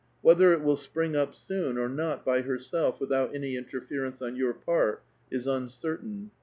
Whether it will spring up soon or not by herself without any interference on your part is uncertain.